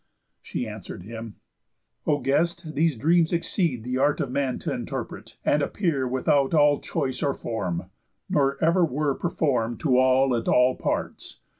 She answer'd him: "O guest, these dreams exceed The art of man t' interpret; and appear Without all choice or form; nor ever were Perform'd to all at all parts.